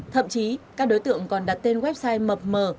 thậm chí các đối tượng còn đặt tên website mập mờ